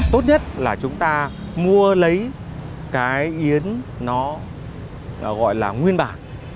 tốt nhất là chúng ta mua lấy cái yến nó gọi là nguyên bản